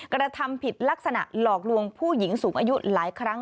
กระทำผิดลักษณะหลอกลวงผู้หญิงสูงอายุหลายครั้ง